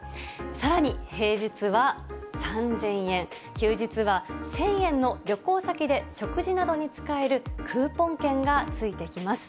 さらに、平日は３０００円、休日は１０００円の旅行先で食事などに使えるクーポン券が付いてきます。